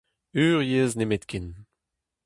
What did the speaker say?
Ur yezh nemetken.